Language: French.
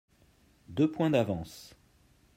Deux points d'avance.